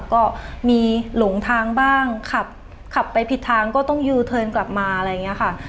ก็มีหลงทางบ้างขับขับไปผิดทางก็ต้องยูเทิร์นกลับมาอะไรอย่างนี้ค่ะ